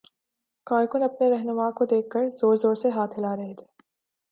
کارکن اپنے راہنما کو دیکھ کر زور زور سے ہاتھ ہلا رہے تھے